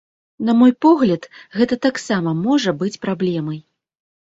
На мой погляд, гэта таксама можа быць праблемай.